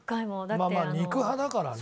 まあまあ肉派だからね。